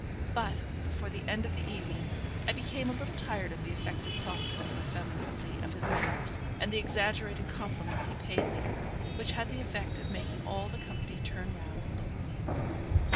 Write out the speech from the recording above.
But, before the end of the evening, I became a little tired of the affected softness and effeminacy of his manners, and the exaggerated compliments he paid me, which had the effect of making all the company turn round and look at me.